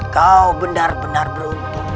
kau benar benar beruntung